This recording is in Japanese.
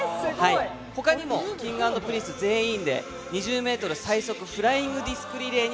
他にもＫｉｎｇ＆Ｐｒｉｎｃｅ全員で２０ｍ最速フライングディスクリレーに